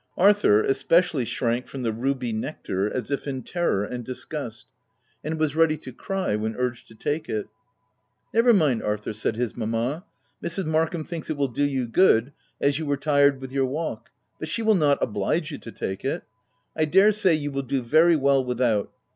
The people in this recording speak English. Arthur, especi ally shrank from the ruby nectar as if in terror and disgust, and was ready to cry when urged to take it. u Never mind, Arthur," said his mamma, " Mrs. Markham thinks it will do you good, as you were tired with your walk ; but she will not oblige you to take it ;— I dare say you will do very well without.